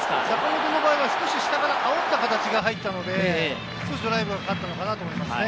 少し下からあおった形で入ったので、少しドライブがかかったのかなと思いますね。